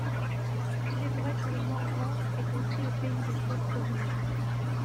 Il est vrai que le Morvan est aussi le pays des sources vives.